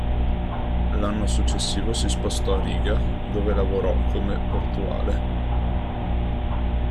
L'anno successivo si spostò a Riga, dove lavorò come portuale.